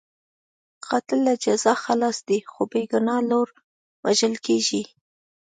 قاتل له جزا خلاص دی، خو بې ګناه لور وژل کېږي.